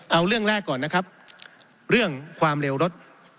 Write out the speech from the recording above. เอาเรื่องแรกก่อนนะครับเรื่องความเร็วรถ